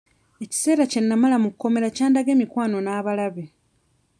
Ekiseera kye namala mu kkomera kyandaga emikwano n'abalabe.